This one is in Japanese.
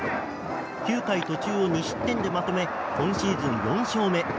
９回途中を２失点でまとめ今シーズン４勝目。